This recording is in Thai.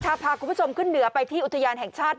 พาคุณผู้ชมขึ้นเหนือไปที่อุทยานแห่งชาติ